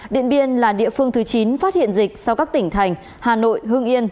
điện biên là địa phương thứ chín phát hiện dịch sau các tỉnh thành hà nội hưng yên